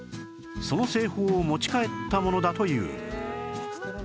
その製法を持ち帰ったものだという